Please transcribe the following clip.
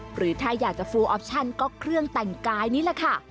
หรือถ้าอยากจะฟูออปชั่นก็เครื่องแต่งกายนี่แหละค่ะ